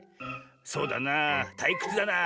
『そうだなあ。たいくつだなあ。